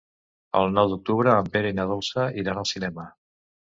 El nou d'octubre en Pere i na Dolça iran al cinema.